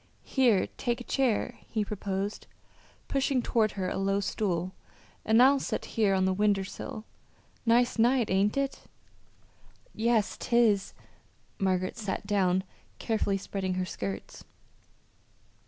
"Here, take a chair," he proposed, pushing toward her a low stool; "an' I'll set here on the winder sill. Nice night; ain't it?" "Yes, 'tis." Margaret sat down, carefully spreading her skirts.